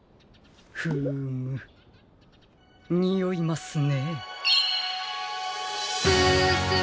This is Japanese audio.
フームにおいますね。